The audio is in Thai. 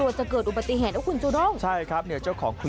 วิทยาลัยศาสตร์อัศวิทยาลัยศาสตร์